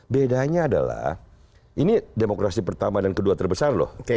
bedanya adalah ini demokrasi pertama dan kedua terbesar loh